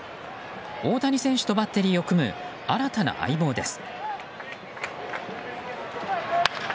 大谷選手とバッテリーを組む新たな相棒です。